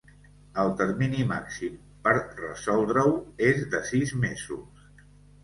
El termini màxim per resoldre-ho és de sis mesos.